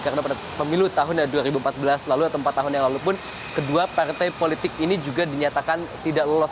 karena pada pemilu tahun dua ribu empat belas lalu atau empat tahun yang lalu pun kedua partai politik ini juga dinyatakan tidak lolos